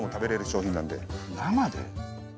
生で？